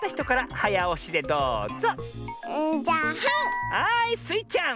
はいスイちゃん！